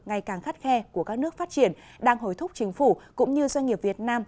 ngày càng khắt khe của các nước phát triển đang hồi thúc chính phủ cũng như doanh nghiệp việt nam